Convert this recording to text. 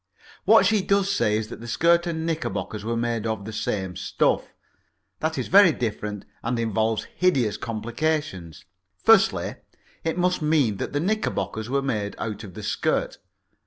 What she does say is that the skirt and knickerbockers were made of the same stuff. That is very different, and involves hideous complications. Firstly, it must mean that the knickerbockers were made out of the skirt.